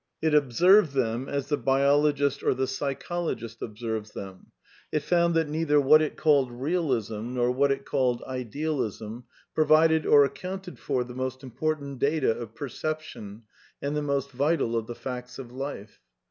It observed them, as the biologist or the psychologist observes them ; it found that neither what it called Bealism nor what it called Idealism provided or accounted for the most important data of perception and the most vital of the facts of life.